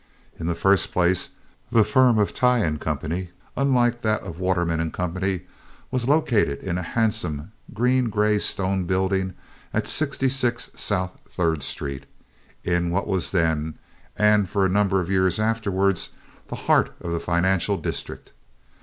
In the first place, the firm of Tighe & Co., unlike that of Waterman & Co., was located in a handsome green gray stone building at 66 South Third Street, in what was then, and for a number of years afterward, the heart of the financial district.